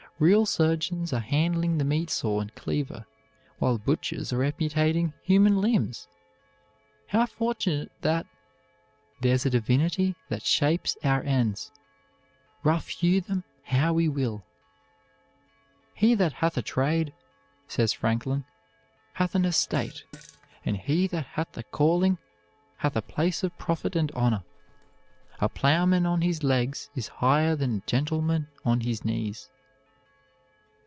Real surgeons are handling the meat saw and cleaver, while butchers are amputating human limbs. How fortunate that "There's a divinity that shapes our ends, Rough hew them how we will." "He that hath a trade," says Franklin, "hath an estate; and he that hath a calling hath a place of profit and honor. A plowman on his legs is higher than a gentleman on his knees."